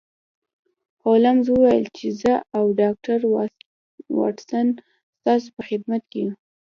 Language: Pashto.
هولمز وویل چې زه او ډاکټر واټسن ستاسو په خدمت کې یو